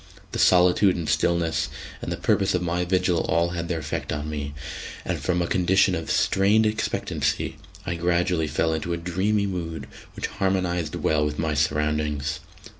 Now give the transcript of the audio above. The solitude and stillness, and the purpose of my vigil, all had their effect on me, and from a condition of strained expectancy I gradually fell into a dreamy mood which harmonised well with my surroundings.